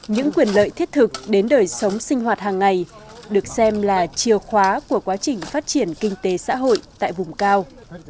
những quyền lợi thiết thực đến đời sống sinh hoạt hàng ngày được xem là chiều khóa của quá trình phát triển kinh tế xã hội tại vùng cao